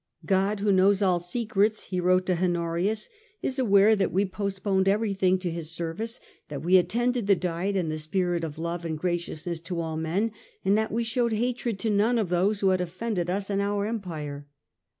" God, who knows all secrets," he wrote to Honorius, " is aware that we postponed everything to His service ; that we attended the Diet in the spirit of love and graciousness to all men ; and that we showed hatred to none of those who had offended us and our Empire.